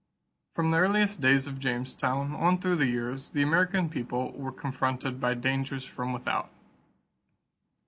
From the earliest days of Jamestown on through the years, the American people were confronted by dangers from without.